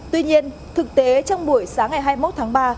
tuy nhiên thực tế trong buổi sáng ngày hai mươi một tháng ba